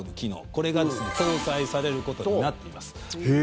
これが搭載されることになっています。